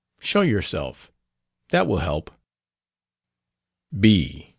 Show yourself, that will help.